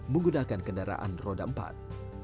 menggunakan kendaraan roda empat